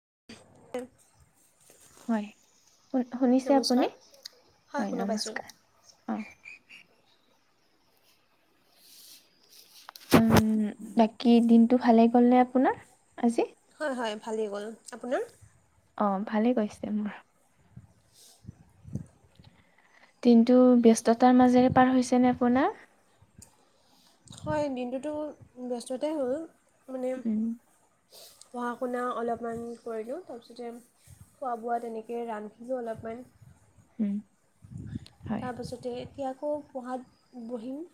ত [unintelligible] হয় শু শুনিছে নমস্কাৰ আপুনি হয় শুনা পাইছোঁ নমস্কাৰ অ উ বাকী দিনটো ভালে গ'ল নে আপোনাৰ আজি হয় হয় ভালেই গ'ল আপোনাৰ অ ভালে কৈছে মোৰ কিন্তু ব্যস্ততাৰ মাজেৰে পাৰ হৈছে ন আপোনাৰ হয় দিনটোতো ব্যস্ততাই হ'ল মানে উম পঢ়া শুনা অলপমান কৰি দিওঁ তাৰপিছতে খোৱা বোৱা তেনেকৈ ৰান্ধখিনিও অলপমান হম তাৰপাছতে এতিয়া আকৌ পঢ়াত বহিম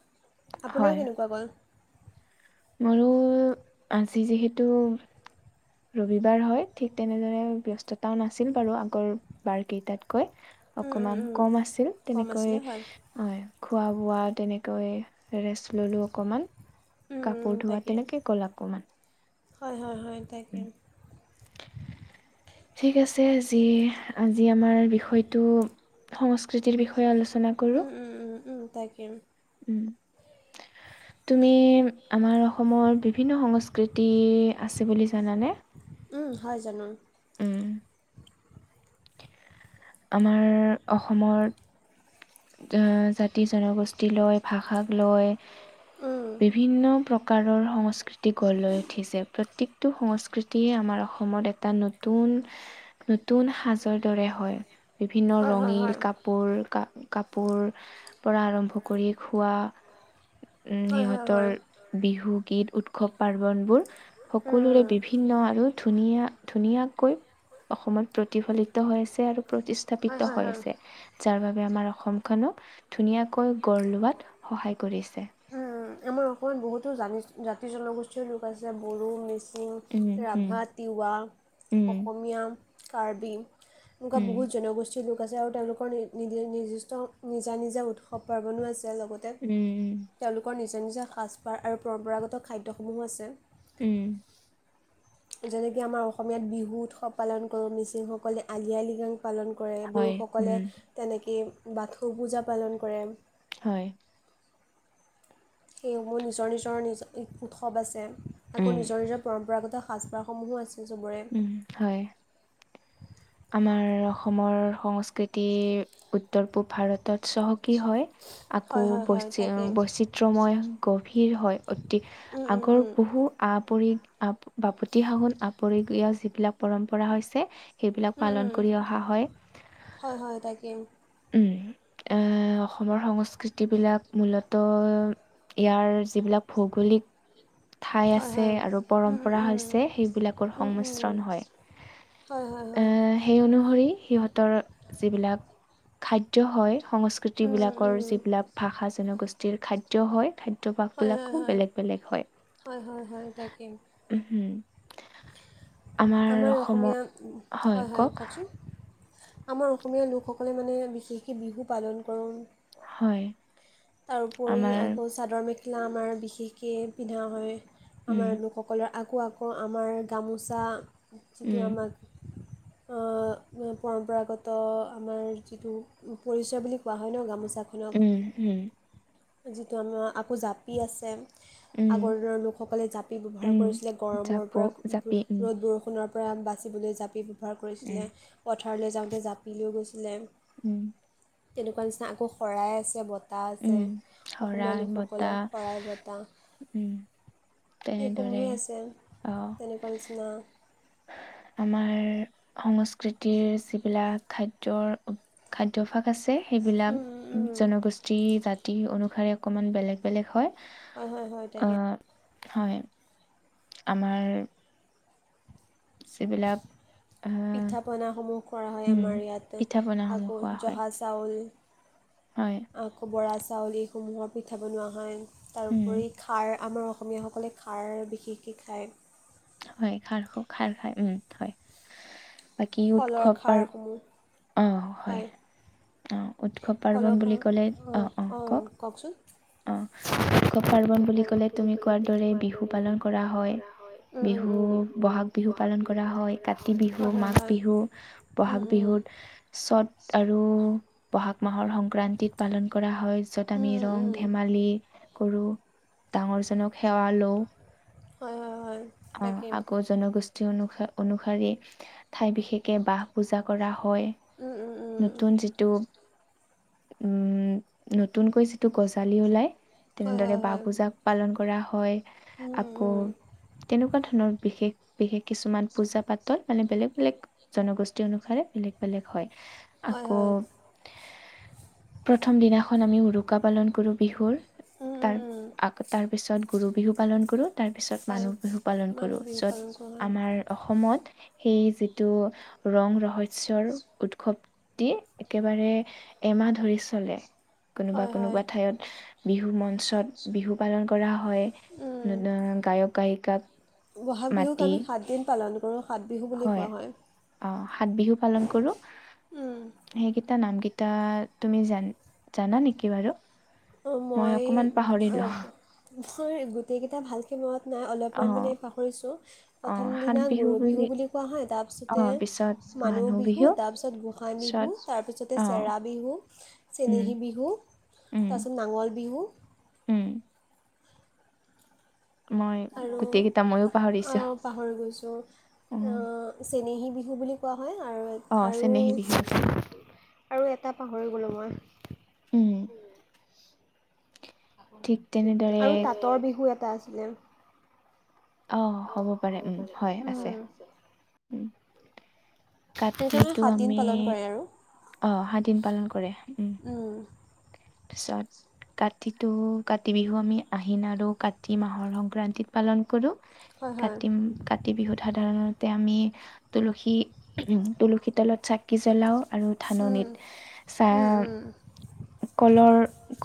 আপোনাৰ হয় কেনেকুৱা ক'ল মোৰো আজি যিহেতু ৰবিবাৰ হয় ঠিক তেনেদৰে ব্যস্ততাও নাছিল বাৰু আগৰ বাৰ কেইটাত উম, উম, অকমান কম আছিল উম। কম তেনেকৈ আছিলে হয় খোৱা বোৱা তেনেকৈ ৰেষ্ট ল'লোঁ অকণমান উম, উম, কাপোৰ ধোৱা তাকে তেনেকে ক'ল অকমান হয় হয় হয় তাকাকেম [unintelligible] ঠিক আছে আজি আজি আমাৰ বিষয়টো সংস্কৃতিৰ বিষয়ে আলোচনা ৰূচনা উম, কৰোঁ উম, উম, উম, তাকে উম তুমি আমাৰ অসমৰ বিভিন্ন সংস্কৃতি আছে বুলি জানানে হয় জানো উম আমাৰ অসমত আহ জাতি জনগোষ্ঠী লয় ভাষাক লয় উম, বিভিন্ন প্ৰকাৰ প্ৰকাৰৰ সংস্কৃতি গঢ় লৈ উঠিছে প্ৰত্যেকটো সংস্কৃতিয়ে আমাৰ অসমত এটা নতুন নতুন সাজৰ দৰে হয় বিভিন্ন হয় হয় ৰঙিল হয় কাপোৰ কাপোৰ পৰা আৰম্ভ কৰি খোৱা উম হয় হয় সিহঁতৰ হয় বিহু গীত উৎসৱ পাৰ্বনবোৰ উম, সকলোৰে উম। বিভিন্ন আৰু ধুনীয়া ধুনীয়াকৈ অসমত প্ৰতিফলিত হৈ আছে আৰু প্ৰতিষ্ঠাপিত হয় হয় হৈ হয় আছে যাৰ বাবে আমাৰ অসমখনক ধুনীয়াকৈ গঢ় লোৱাত সহায় কৰিছে উম আমাৰ অকমান বহুতো জাতি জনগোষ্ঠীয় লোক আছে বড়ো মিছিং উম উম ৰাভা তিৱা উম অসমীয়া কাৰ্বি এনেকুৱা উম বহুত জনগষ্ঠী লোক আছে আৰু তেওঁলোকৰ নিজ নিৰ্দিষ্ট নিজা নিজা উৎসৱ পাৰ্বণো আছে লগতে উম উম তেওঁলোকৰ নিজৰ নিজৰ সাজপাৰ আৰু পৰম্পৰাগত খাদ্যসমূহো আছে উম যেনেকে আমাৰ অসমীয়াত বিহু উৎসৱ পালন কৰোঁ মিচিংসকলে আলি আই লৃগাং পালন কৰে হয় বড়োসকলে উম তেনেকৈ বাথৌ পূজা পালন কৰে হয়। সেইসমূহ নিজৰ নিজৰ নিজৰ উৎসৱ আছে। আকৌ উম নিজৰ নিজৰ পৰম্পৰাগত। এ সাজপাৰসমূহো আছে চবৰে উম হয় আমাৰ অসমৰ সংস্কৃতি উত্তৰ পূব ভাৰতত চহকী হয়। আকৌ হয় হয় হয় বৈচ তাকে উম বৈচিত্ৰময় গভীৰ হয়, অতি উম আগৰ উম বহু। আপৰি আ বাপতি সাহোন আপৰিগ যিবিলাক পৰম্পৰা হৈছে। সেইবিলাক উম পালন উম কৰি অহা হয়। হয় হয় তাকে উম এ অসমৰ সংস্কৃতি বিলাক মূলত। ইয়াৰ যিবিলাক ভৌগোলিক। ঠাই হয় আছে হয় আৰু উম পৰম্পৰা উম হৈছে সেইবিলাকৰ উম উম উম সংমিশ্ৰণ হয় হয় হয় এ হয় সেই অনুসৰি সিহঁতৰ যিবিলাক। খাদ্য হয় সংস্কৃতি উম উম বিলাকৰ উম যিবিলাক ভাষা জনগোষ্ঠীৰ খাদ্য হয় খাদ হয় হয় হয় হয় হয় হয় তাকে উহুম। আমাৰ অসমীয়া হয় হয় কওকচোন আমাৰ অসমীয়া লোকসকলে মানে বিশেষকৈ বিহু পালন কৰোঁ হয়। তাৰোপৰি আমাৰ আকৌ চাদৰ মেখেলা আমাৰ বিশেষকৈ পিন্ধা হয়। উম আমাৰ লোকসকলৰ আকৌ আকৌ আমাৰ গামোচা যিটো উম আমাক পৰম্পৰাগত আমাৰ যিটো পৰিচয় বুলি কোৱা হয় ন গামোচা উম, উম। যিটো আমাৰ আকৌ জাপি আছে। উম আগৰ দিনৰ লোকসকলে জাপি ব্যৱহাৰ উম কৰিছিলে গৰমৰ জাপ পৰা জাপি উম ৰ'দ বৰষুণৰ প্ৰাণ বাচিবলৈ জাপি [unintelligible] উম পথাৰত যাওতে জাপি লৈ গৈছিল। উম তেনেকুৱা নিচিনা আকৌ শৰাই আছে। বতাহ আছে। উম অসমীয়া শৰাই বতা লোকসকলৰ শৰাই বটা উম তেনেদৰে এইসমূহে আছে অ তেনেকুৱা নিচিনা। আমাৰ সংস্কৃতিৰ যিবিলাক খাদ্যৰ খাদ্যভাস আছে সেইবিলাক উম, উম, উম। জনগোষ্ঠী জাতি অনুসাৰে অকণমান বেলেগ বেলেগ হয় হয় হয় হয় তাকে আহ হয়, আমাৰ। যি। বিলাক পিঠা পনাসমূহ কৰা হয়। আমাৰ পিঠা ইয়াত পনাসমূহ আকৌ খোৱা হয় জহা চাউল। হয় আকৌ বৰা চাউল এইসমূহৰ পিঠা বনোৱা হয়। উম তাৰোপৰি খাৰ আমাৰ অসমীয়াসকলে খাৰ বিশেষকৈ খায়। হয় খাৰ খ খাৰ খাই উম হয় বাকী কলৰ উৎসৱ আৰু। খাৰসমূহ হয়। উৎসৱ কলৰ পাৰ্বণ বুলি খাৰ ক'লে অ', অঁ অ', অঁ কওক কওকচোন অ। উৎসৱ পাৰ্বন বুলি ক'লে তুমি কোৱাৰ দৰে বিহু পালন কৰা হয়। বিহু বহাগ বিহু পালন কৰা হয়। কাতি বিহু মাঘ বিহু, উম, বহাগ উম, বিহুৰত চ'ত। আৰু বহাগ মাহৰ সংক্ৰান্তিত পালন কৰা হয়। যত উম, আমি উম, ৰং উম। ধেমালি। কৰো ডাঙৰ জনক সেৱা লও। হয় হয় হয় অ তাকে আকৌ জনগোষ্ঠী। অনুসৰি ঠাই বিশেষে বাহ পূজা কৰা হয়। হয় উম উম উম নতুন যিটো নতুনকৈ যিটো। গজালি ওলাই হয় তেনেদৰে হয় বাঁ হয় পূজাক পালন কৰা হয় উম উম আকৌ উম তেনেকুৱা ধৰণৰ বিশেষ বিশেষ কিছুমান পূজা পাতল মানে বেলেগ বেলেগ জনগোষ্ঠী অনুসাৰে বেলেগ বেলেগ হয়। হয় আকৌ হয় প্ৰথম দিনাখন আমি উৰুকা। পালন কৰোঁ বিহুৰ উম তাৰ উম উম তাৰপিছত গৰু বিহু পালন কৰোঁ তাৰ পিছত হয় মানুহ বিহু পালন কৰো মানুহ বিহু য'ত পালন আমাৰ অসমত সেই যিটো ৰং ৰহস্যৰ উৎসৱ দি একেবাৰে মাহ ধৰি চলে কৰা কোনোবা হয় হয় হয় কোনোবা ঠাইত বিহু মঞ্চ পাছত বিহু পালন কৰা হয় উম গায়ক গায়িকাক ব'হাগ বিহুক মাতি আমি সাতদিন পালন কৰোঁ সাত বিহু বুলি হয় কোৱা অ সাত বিহু পালন কৰো উম সেইকেইটা নাম কেইটা এয়া তুমি জান জানা নেকি বাৰু মই অকমান অ পাহৰিলো মই গোটেইকেইটা ভালকৈ মনত নাই অ অলপমান মানে পাহৰিছোঁ। প্ৰথম দিনা গৰু বিহু বুলি কোৱা হয়। তাৰপিছতে মানুহ বিহু তাৰপিছত গোসাইই পিছত বিহু তাৰপিছতে অ চেৰা বিহু উম চেনেহী বিহু উম তাৰপিছত নাঙল বিহু উম মই আৰু গোটেই কেইটা ময়ো অ পাহৰিছো পাহৰি গৈছো অ চেনেহি বিহু বুলি কোৱা হয়। আৰু অ চেনেহী বিহু আছিল আৰু আৰু এটা পাহৰি গ'লোঁ মই। উম। ঠিক তেনেদৰে আৰু তাঁতৰ বিহু এটা আছিলে অ হ'ব পাৰে উম হয় আছে উম। এনেকৈ মানে কাতিতটো সাতদিন আমি পালন কৰে আহ সাত দিন পালন কৰে উম উ পিছত কাতিতটো কাতি বিহু আমি আহিন আৰু কাতি মাহৰ সংক্ৰান্তিত পালন কৰোঁ হয় হয় কাতি কাতি বিহুত সাধাৰণত। তাতে আমি তুলসী উ তুলসী তলত চাকি জ্বলাও। আৰু ধাননিত চাহ উম, উম, উম, কলৰ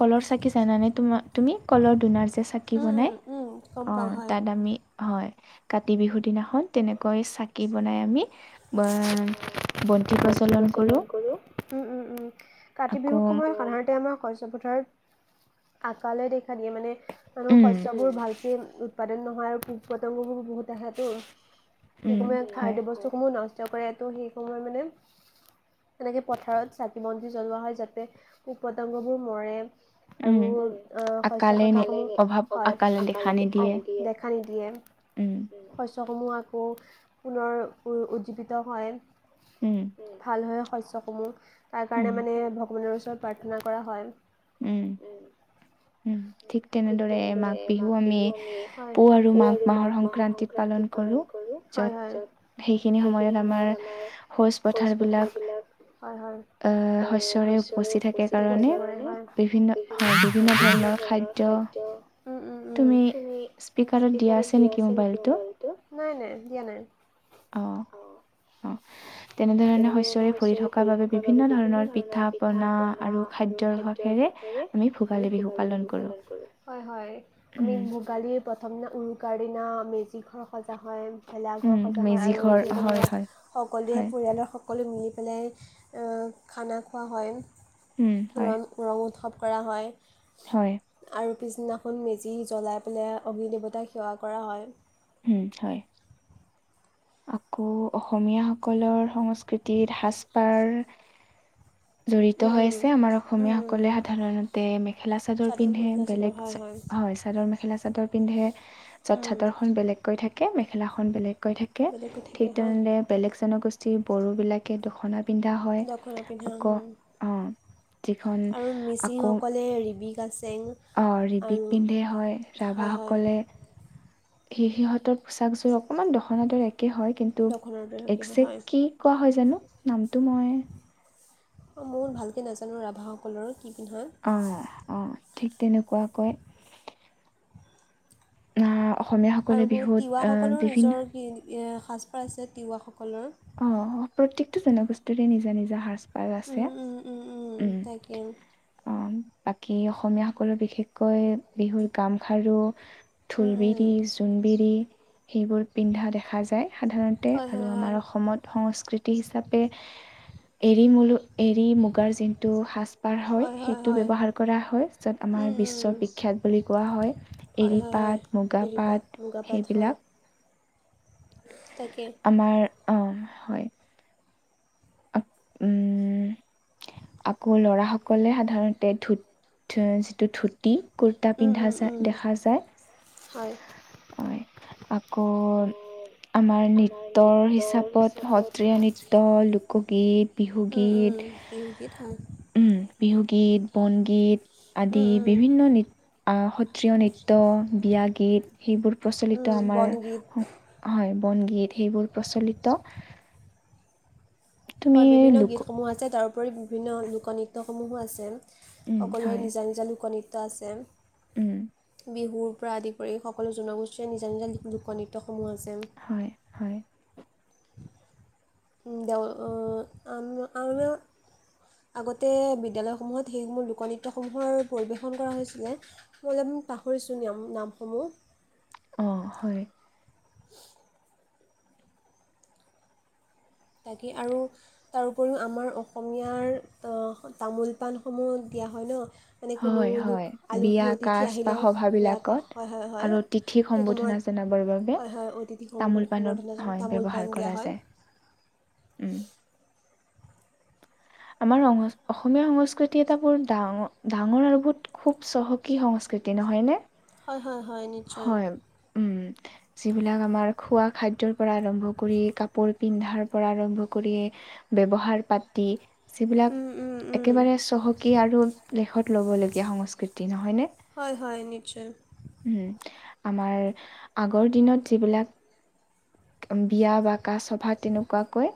কলৰ চাকি জানানে তোমাৰ তুমি কলৰ ধোনাৰ যে চাকি উম, বনাই উম, উম, গম অ পাওঁ হয় তাত আমি হয়। কাতি বিহু দিনাখন তেনেকৈ চাকি বনাই আমি আহ ব প্ৰজ্বলন কৰোঁ জলন কৰো উম উম উম কাতি আকৌ বিহুৰ সময়ত সাধাৰণতে তাতে আমাৰ শস্য পথাৰত আঁকালে দেখা দিয়ে মানে উম শস্যবোৰ ভালকে উৎপাদন নহয়, আৰু পোক পতংগবোৰ বহুত। ত সেতটো সেই উম সময় হয় খাদ্যবস্তুসমূহ নষ্ট কৰেতো সেই সময় মানে। তেনেকে পথাৰত চাকি বন্তি জ্বলোৱা হয় যাতে পোক পতংগবোৰ মৰে আৰু উম আহ শস্য আকালে নে কথা খিনি অভাৱ আকালে দেখা নিদিয়ে হয় দেখা নিদিয়ে উম শস্যসমূহ আকৌ পুনৰ উজ্জীৱিত হয়। উম ভাল হয় শস্য সমূহ তাৰ কাৰণে উম মানে ভগৱানৰ ওচৰত প্ৰাৰ্থনা কৰা হয় উম। উম ঠিক তেনেদৰে মাঘ বিহু আমি পুহ আৰু মাঘ মাহৰ সংক্ৰান্তিত পালন কৰো হয় হয় সেইখিনি সময়ত আমাৰ ভুজ প কৌজ পথাৰ বিলাক আহ আহ শস্যৰে শস্য থাকে উপচি কাৰণে থাকে। বিভিন্ বিভিন্ন ধৰণৰ খাদ্য উ উ উ তুমি স্পিকাতো দিয়া আছে নেকি মোবাইলটো নাই নাই দিয়া নাই অ অ তেনেধৰণে শস্যৰে ভৰি থকাৰ বাবে বিভিন্ন ধৰণৰ পিঠা পনা আৰু খাদ্যৰভাসেৰে আমি ভোগালী বিহু পালন কৰোঁ হয়, হয়। উম, আমি ভোগালীৰ প্ৰথম দিনা উৰুকা। দিনা মেজি ঘৰ সজা হয়। ভেলাঘৰ উম, সজা হয় মেজি আৰু ঘৰ যিটো হয়, ঘৰত হয়, সকলোৱে হয়, পৰিয়ালৰ সকলো মিলি পেলাই অ খানা খোৱা হয় উম, হয়, ৰ ৰং উৎসৱ কৰা হয়। হয় আৰু পিছদিনাখন মেজি জ্বলাই পেলাই অগ্নি দেৱতাক সেৱা কৰা হয় উম হয়। আকৌ অসমীয়াসকলৰ সংস্কৃতিত সাজপাৰ জড়িত উম হৈ উম আছে আমাৰ উম অসমীয়াসকলে উম সাধাৰণতে মেখেলা চাদৰ পিন্ধে মেখেলা চাদৰ বেলেগ হয় হয় চাদৰ মেখেলা চাদৰ পিন্ধে যত চাদৰ খন বেলেগকৈ থাকে। কে মেখেলাখন বেলেগকৈ থাকে বেলেগ ঠিক কথাকে হয় তেনেলে বেলেগ জনগোষ্ঠী বড়ো বিলাকে দখনাত। পিন্ধা হয় দখনা পিন্ধে আকৌ উম। অ, যিখন আৰু আকৌ মিচিংসকলে ৰিবি গাচেং অ, ৰিবিক আৰু পিন্ধে হয় হয় হয় ৰাভাসকলে সেই সিহঁতৰ পোছাকযোৰ অকমান দখনা দৰে একে হয় কিন্তু দখনাৰ দৰে কি হয় একজেক্ হয় কি কোৱা হয় জানো নামটো মই মোৰ ভালকৈ নাজানো ৰাভাসকলৰ কি পিন্ধে অ - অ ঠিক তেনেকুৱাকৈ অ', আৰু তিৱাসকলৰ নিজৰ কি সাজপাৰ আছে তিৱাসকলৰ অ প্ৰত্যেকটো জনগোষ্ঠীৰে নিজা - নিজা সাজ আৰু আছে উম, উম, উম, উম, তাকে অ, বাকী অসমীয়াসকলৰ বিশেষকৈ বিহুৰ গামখাৰু। উম, উম। ঢোলবিৰি, জোনবিৰি সেইবোৰ পিন্ধা দেখা যায় সাধাৰণতে হয় আৰু হয় আমাৰ হয় অস অসমত সংস্কৃতি হিচাপে এৰি মলো এৰী মুগাৰ যিনটো সাজপাৰ হয় সেইটো ব্যৱহাৰ কৰা হয় য'ত আমাৰ উম, উম। বিশ্ব বিখ্যাত। বুলি কোৱা হয় হয় এৰি হয় হয় পাট, মুগা এৰী পাট মুগা পাট হয় সেইবিলাক তাকে আমাৰ অ, হয়। আপ উম, আকৌ লৰা সকলে সাধাৰণতে ধু যিটো ধুতি কুৰ্তা উম, পিন্ধা উম, যা উম। দেখা যায়। হয় হয় আকৌ। আমাৰ নৃত্যৰ হিচাপত সত্ৰীয়া নৃত্য শোকগীত উম বিহুগীত উম বিহুগীত হয় উম, বিহুগীত বনগীত। আদি উম উম বিভিন্ন নৃত। সত্ৰীয়া নৃত্য বিয়া গীত সেইবোৰ প্ৰচলিত উম আমাৰ বনগীত হয়। বন গীত সেইবোৰ প্ৰচলিত। তুমি হয় বিভিন্ন লোক গীতসমূহ আছে তাৰোপৰি বিভিন্ন লোকনৃত্যসমূহো আছে। উম, সকলোৰে হয়, নিজা - নিজা লোকনৃত্য আছে। উম, বিহুৰ পৰা আদি কৰি সকলো জনগোষ্ঠীয়ে নিজা নিজা লোকনৃত্যসমূহ আছে। হয়, হয়, [unintelligible] আগতে বিদ্যালয়সমূহত সেইসমূ লোকনৃত্যসমূহৰ পৰিৱেশন কৰা হৈছিলে মই পাহৰিছো নিয়ম নামসমূহ। অ, হয়। [inaudible] তাকে আৰু তাৰ উপৰিও আমাৰ অসমীয়াৰ তামোল পাণসমূহ দিয়া হয় ন। মানে কোনো হয়, হয়, লোক আলহী বিয়া অতিথি কাজ বা আহিলে বিয়া কৰা সভাবিলাকত হয়- হয়- হয় আৰু তিথিক সেই সম্বোধনা সময়ত জনাবৰ বাবে হয়- হয় অতিথি তামোল পাণৰ সম্বোধনা জনোৱা হয়, তামোল ব্যৱহাৰ পাণ দিয়া কৰা হয়। যায়। উম, আমাৰ অসমীয়া সংস্কৃতি এটা বৰ ডাঙৰ- ডাঙৰ আৰু বহুত খুব চহকী সংস্ক কৃতি নহয় নে। হয় - হয় নিশ্চয়। উম। যিবিলাক আমাৰ খোৱা খাদ্যৰ পৰা আৰম্ভ কৰি কাপোৰ পিন্ধাৰ পৰা আৰম্ভ কৰি। ব্যৱহাৰ পাতি যিবিলাক, উম উম উম একেবাৰে চহকী আৰু লেখত ল'ব লগগীয়া সংস্কৃতি নহয়নে? হয়-হয় নিশ্চয়। উম আমাৰ আগৰ দিনত যিবিলাক বিয়া বা -কা সভা তেনেকুৱাকৈ।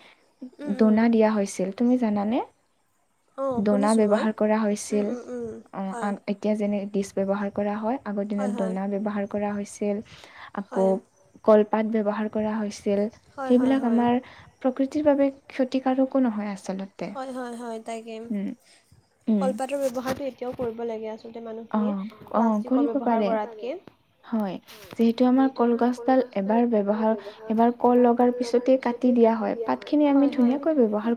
উম উম দোনা দিয়া হৈছিল তুমি জানানে? অঁ দনা শুনিছোঁ মই ব্যৱহাৰ কৰা উম হৈছিল উম উম হয় এতিয়া যেনে ডিচ ব্যৱহাৰ কৰা হয়। আগৰ দিনত দনা ব্যৱহাৰ কৰা হৈছিল। আকৌ হয় কল পাত ব্যৱহাৰ কৰা হৈছিল। হয় হয় হয় সেইবিলাক হয় আমাৰ প্ৰকৃতিৰ বাবে ক্ষতিকাৰকো নহয়। আছিল হয়- হয়- হয় তাকে উম কলপাতৰ ব্যৱহাৰটো এতিয়াও কৰিব লাগে আচলতে অ মানুহখিনিয়ে অ প্লাষ্টিকৰ কৰিব ব্যৱহাৰ পাৰে কৰাতকে হয়, যিহেতু আমাৰ কলগছডাল এবাৰ ব্যৱহাৰ এবাৰ কল লগাৰ পিছতে কাটি দিয়া হয়, পাত খিনি আমি ধুনীয়াকৈ ব্যৱহাৰ